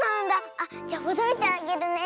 あっじゃほどいてあげるね。